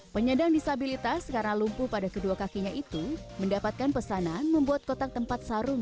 penyandang disabilitas karena lumpuh pada kedua kakinya itu mendapatkan pesanan membuat kotak tempat sarung